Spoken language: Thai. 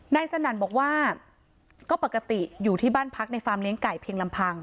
สนั่นบอกว่าก็ปกติอยู่ที่บ้านพักในฟาร์มเลี้ยไก่เพียงลำพัง